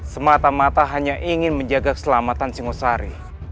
semata mata hanya ingin menjaga keselamatan singosari